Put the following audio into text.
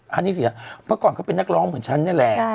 อันนี้เสียเมื่อก่อนเขาเป็นนักร้องเหมือนฉันนี่แหละ